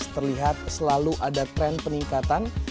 terlihat selalu ada tren peningkatan